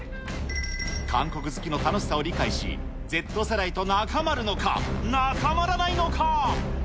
韓国好きの楽しさを理解し、Ｚ世代とナカマるのか、ナカマらないのか。